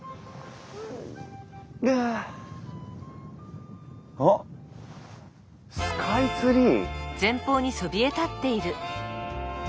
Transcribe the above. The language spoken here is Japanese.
あ！あっスカイツリー！